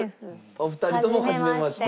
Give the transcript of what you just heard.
お二人ともはじめまして。